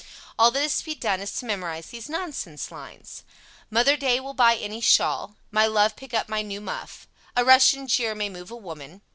All that is to be done is to memorize these nonsense lines: Mother Day will buy any shawl. My love pick up my new muff. A Russian jeer may move a woman.